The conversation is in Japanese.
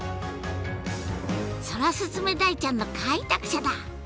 ソラスズメダイちゃんの開拓者だ！